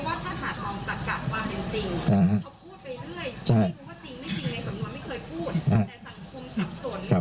ลองไปฟังจากปากรองผู้ประชาการตำรวจภูทรภาคหนึ่งท่านตอบอย่างไรครับ